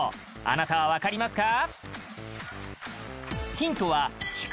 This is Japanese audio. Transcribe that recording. あなたは分かりますか？